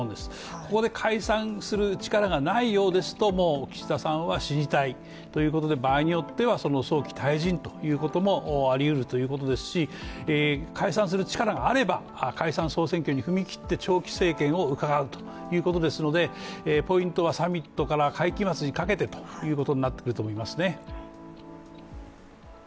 ここで解散する力がないようですと、もう岸田さんは死に体ということで、場合によっては早期退陣ということもありうるということですし解散する力があれば解散総選挙に踏み切って長期政権をうかがうということですのでポイントはサミットから会期末にかけてということになってきますね。